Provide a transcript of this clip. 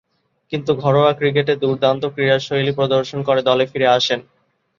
কিন্তু, ঘরোয়া ক্রিকেটে দূর্দান্ত ক্রীড়াশৈলী প্রদর্শন করে দলে ফিরে আসেন।